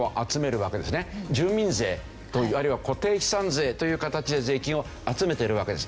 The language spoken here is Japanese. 住民税あるいは固定資産税という形で税金を集めているわけです。